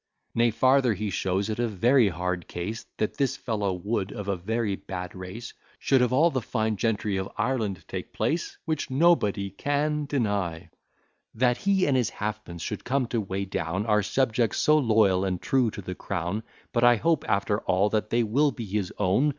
Nay, farther, he shows it a very hard case, That this fellow Wood, of a very bad race, Should of all the fine gentry of Ireland take place. Which, &c. That he and his halfpence should come to weigh down Our subjects so loyal and true to the crown: But I hope, after all, that they will be his own.